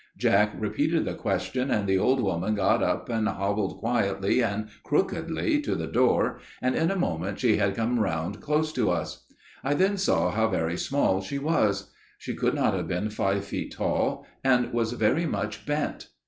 "Jack repeated the question, and the old woman got up and hobbled quietly and crookedly to the door, and in a moment she had come round close to us. I then saw how very small she was. She could not have been five feet tall, and was very much bent.